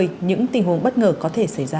những tình huống bất ngờ có thể xảy ra